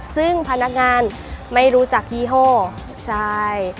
ซึ่งพนักงานไม่รู้จักยี่ห้อใช่